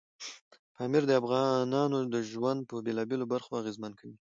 پامیر د افغانانو ژوند په بېلابېلو برخو کې اغېزمن کوي.